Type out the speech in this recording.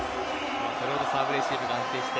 これもサーブレシーブが安定して。